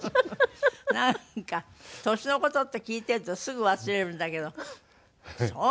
なんか年の事って聞いてるとすぐ忘れるんだけどそう。